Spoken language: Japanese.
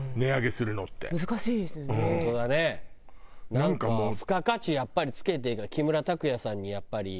なんか付加価値やっぱり付けて木村拓哉さんにやっぱり。